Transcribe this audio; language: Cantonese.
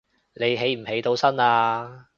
你起唔起到身呀